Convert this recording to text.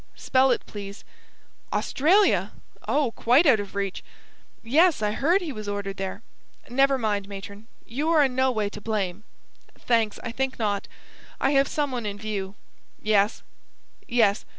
... Spell it, please ... Australia! Oh, quite out of reach! ... Yes, I heard he was ordered there ... Never mind, Matron. You are in no way to blame ... Thanks, I think not. I have some one in view ... Yes.... Yes....